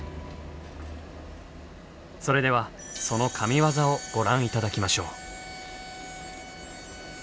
それではその神業をご覧頂きましょう。